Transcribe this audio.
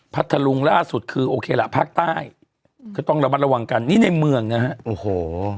พัทธรุงล่าสุดคือโอเคละภาคใต้ก็ต้องระมัดระวังกันนี่ในเมืองนะฮะโอ้โห